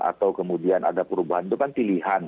atau kemudian ada perubahan itu kan pilihan